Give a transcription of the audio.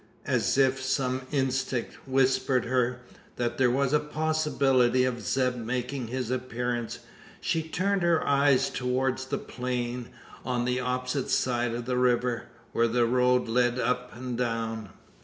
As if some instinct whispered her, that there was a possibility of Zeb making his appearance, she turned her eyes towards the plain on the opposite side of the river where a road led up and down.